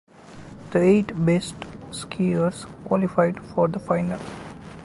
The eight best skiers qualified for the final.